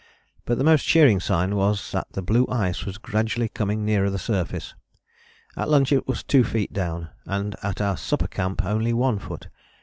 But the most cheering sign was that the blue ice was gradually coming nearer the surface; at lunch it was two feet down, and at our supper camp only one foot.